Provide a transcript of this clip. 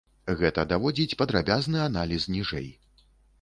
Гэта даводзіць падрабязны аналіз ніжэй.